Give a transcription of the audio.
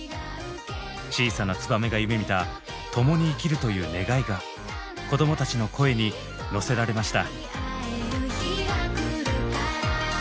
小さなツバメが夢みた「共に生きる」という願いが子どもたちの声に乗せられました。